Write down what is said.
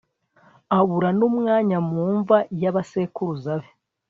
abura n'umwanya mu mva y'abasekuruza be